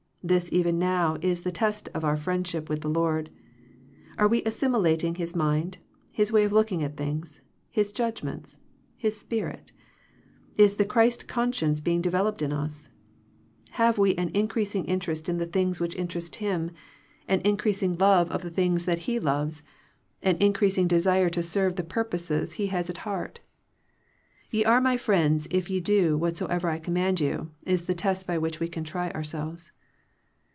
This even now is the test of our friendship with the Lord. Are we assimilating His mind. His way of looking at things. His judgments, His spirit ? Is the Christ con science being developed in us ? Have we an increasing interest in the things which interest Him, an increasing love of the 330 Digitized by VjOOQIC THE HIGHER FRIENDSHIP things that He loves, an increasing desire to serve the purposes He has at heart? " Ye are My friends if ye do whatsoever I command you," is the test by which we can try ourselves.